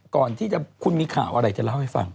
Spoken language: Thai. ก่อนที่คุณมีข่าวอะไรจะเล่าให้ฟัง